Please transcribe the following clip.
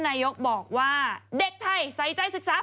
ตามรถแมป